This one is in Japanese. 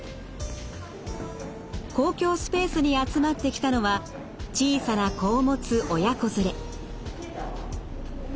公共スペースに集まってきたのは小さな子を持つ親子連れ。